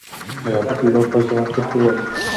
رابرټ لو په ځواب کې ورته ولیکل.